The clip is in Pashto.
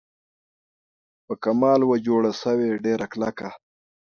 په کمال وه جوړه سوې ډېره کلکه